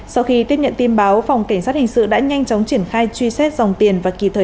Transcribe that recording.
sau khi tiếp nhận tin báo phòng cảnh sát hình sự đã nhanh chóng triển khai truy xét dòng tiền và kỳ thời